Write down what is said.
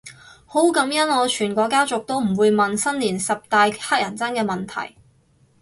好感恩我全個家族都唔會問新年十大乞人憎問題